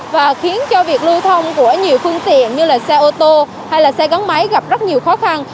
và khiến cho việc lưu thông của nhiều phương tiện như là xe ô tô hay là xe gắn máy gặp rất nhiều khó khăn